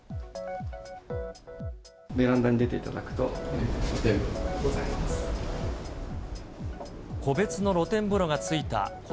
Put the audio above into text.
ベランダに出ていただくと、露天風呂がございます。